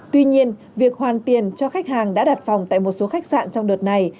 tuy nhiên việc hoàn tiền cho khách hàng đã đặt phòng tại một số khách sạn trong đợt này